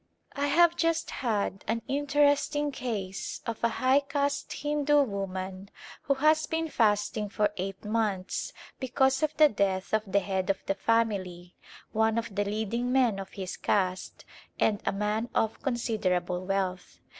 I have just had an interesting case of a high caste Hindu woman who has been fasting for eight months because of the death of the head of the family, one of the leading men of his caste and a man of consid erable wealth.